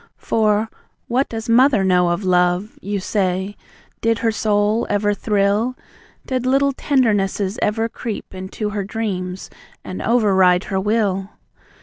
For "What does Mother know of love?" you say. "Did her soul ever thrill? Did little tendernesses ever creep Into her dreams, and over ride her will?